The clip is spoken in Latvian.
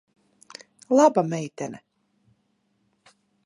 Laba meitene.